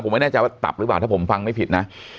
ไม่แน่ใจว่าตับหรือเปล่าถ้าผมฟังไม่ผิดนะ